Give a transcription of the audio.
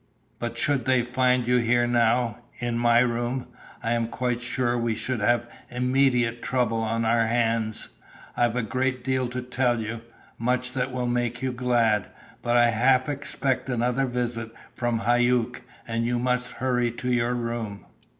But should they find you here now in my room I am quite sure we should have immediate trouble on our hands. I've a great deal to tell you much that will make you glad, but I half expect another visit from Hauck, and you must hurry to your room."